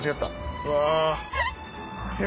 うわ。